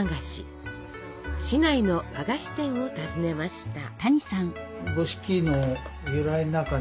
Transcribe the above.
市内の和菓子店を訪ねました。